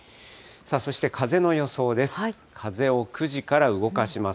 そして風の予想です。